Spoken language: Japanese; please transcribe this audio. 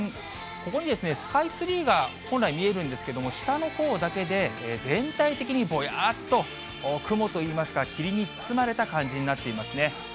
ここにスカイツリーが本来見えるんですけれども、下のほうだけで、全体的にぼやっと雲といいますか、霧に包まれた感じになっていますね。